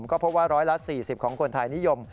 ก็พบว่าร้อยละ๔๐ของคนไทยนิยม